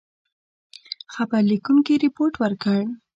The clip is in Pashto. خبر لیکونکي رپوټ ورکړ.